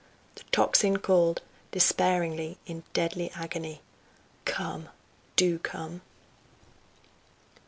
The tocsin called, despairingly in deadly agony: "Come! do come!"